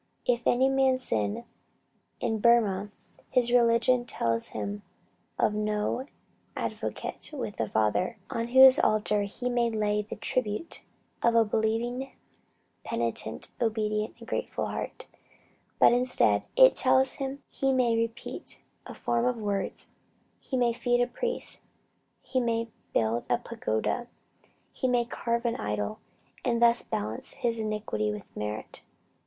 "If any man sin" in Burmah, his religion tells him of no "advocate with the Father" on whose altar he may lay the tribute of a believing, penitent, obedient and grateful heart; but instead, it tells him he may repeat a form of words, he may feed a priest, he may build a pagoda, he may carve an idol, and thus balance his iniquity with merit.